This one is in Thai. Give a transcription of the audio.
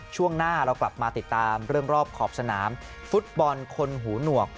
ช่วงหน้าเรากลับมาติดตามเรื่องรอบขอบสนามฟุตบอลคนหูหนวก